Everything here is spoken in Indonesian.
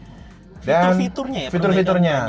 fitur fiturnya ya perbedaannya